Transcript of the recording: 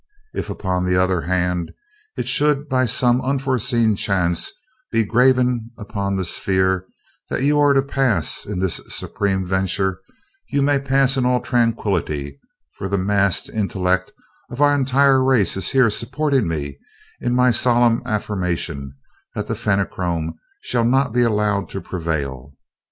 If, upon the other hand, it should by some unforeseen chance be graven upon the Sphere that you are to pass in this supreme venture, you may pass in all tranquillity, for the massed intellect of our entire race is here supporting me in my solemn affirmation that the Fenachrone shall not be allowed to prevail.